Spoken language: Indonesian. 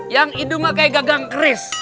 yang hidung pakai gagang kris